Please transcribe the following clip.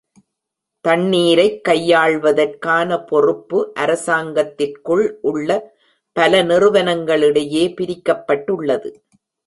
தண்ணீரைக் கையாள்வதற்கான பொறுப்பு அரசாங்கத்திற்குள் உள்ள பல நிறுவனங்களிடையே பிரிக்கப்பட்டுள்ளது.